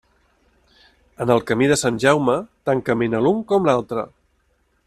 En el camí de Sant Jaume, tant camina l'un com l'altre.